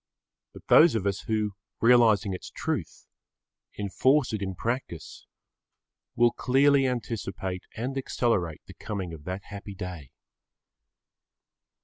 But those of us who, realising its truth, enforce it in practice will clearly anticipate and accelerate the coming of that happy day.